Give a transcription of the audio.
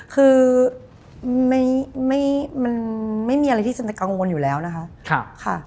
คือมันไม่มีอะไรที่จะกังวลอยู่แล้วนะคะ